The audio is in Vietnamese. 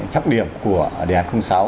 chấp điểm của đề án sáu